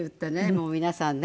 もう皆さんね。